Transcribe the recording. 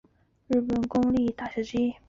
现是日本最大的公立大学之一。